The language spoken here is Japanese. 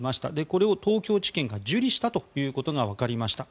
これを東京地検が受理したということがわかりました。